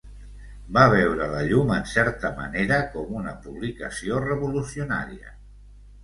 Va veure la llum en certa manera com una publicació revolucionària.